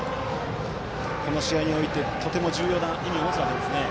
この試合において、とても重要な意味を持つわけですね。